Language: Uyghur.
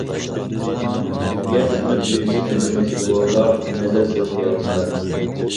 تۈركىيە خىزمەت ۋىزىسىنى بېجىرمەكچى بولغانلار نەزەر سېلىپ قۇيارسىلەر.